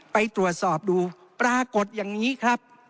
ไปตรวจสอบดูปรากฏอย่างนี้ครับ